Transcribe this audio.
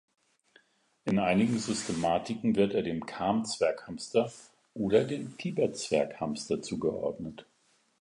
In einigen Systematiken wird er dem Kham-Zwerghamster oder dem Tibet-Zwerghamster zugeordnet.